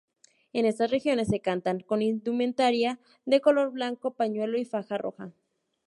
En estas regiones se cantan con indumentaria de color blanco, pañuelo y faja roja.